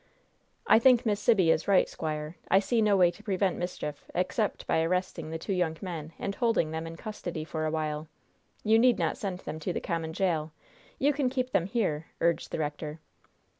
"I think Miss Sibby is right, squire. I see no way to prevent mischief, except by arresting the two young men and holding them in custody for a while. You need not send them to the common jail. You can keep them here," urged the rector.